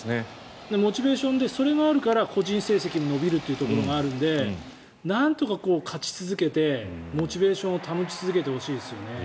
モチベーションでそれがあるから個人成績が伸びるところがあるのでなんとか勝ち続けてモチベーションを保ち続けてほしいですよね。